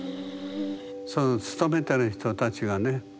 その勤めてる人たちはね